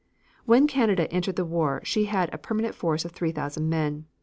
When Canada entered the war she had a permanent force of 3,000 men.